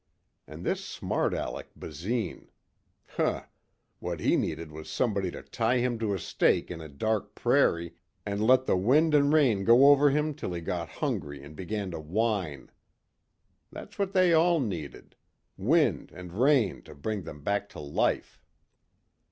And this smart aleck Basine.... Hm! What he needed was somebody to tie him to a stake in a dark prairie and let the wind and rain go over him till he got hungry and began to whine. That's what they all needed wind and rain to bring them back to life.